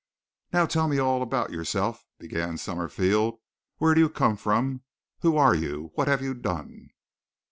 "Now tell me all about yourself," began Summerfield. "Where do you come from? Who are you? What have you done?"